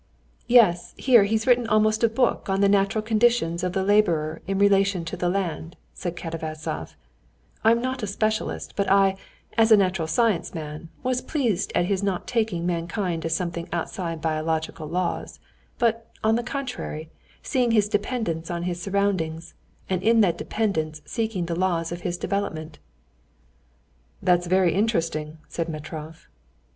"Yes, here he's written almost a book on the natural conditions of the laborer in relation to the land," said Katavasov; "I'm not a specialist, but I, as a natural science man, was pleased at his not taking mankind as something outside biological laws; but, on the contrary, seeing his dependence on his surroundings, and in that dependence seeking the laws of his development." "That's very interesting," said Metrov.